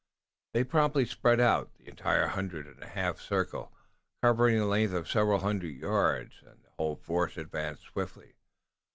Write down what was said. They promptly spread out, the entire hundred in a half circle, covering a length of several hundred yards, and the whole force advanced swiftly.